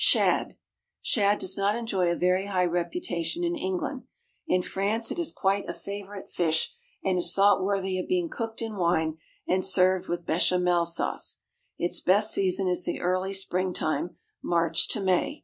=Shad.= Shad does not enjoy a very high reputation in England; in France it is quite a favourite fish and is thought worthy of being cooked in wine, and served with Béchamel sauce. Its best season is the early spring time, March to May.